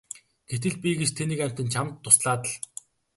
Гэтэл би гэж тэнэг амьтан чамд туслаад л!